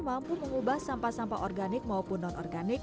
mampu mengubah sampah sampah organik maupun non organik